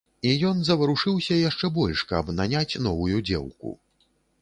І ён заварушыўся яшчэ больш, каб наняць новую дзеўку.